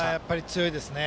強いですよね。